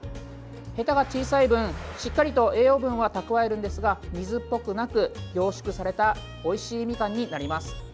へたが小さい分、しっかりと栄養分はたくわえるんですが水っぽくなく凝縮されたおいしいみかんになります。